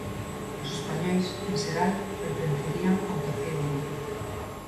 Os españois, en xeral, pertencerían ao terceiro grupo.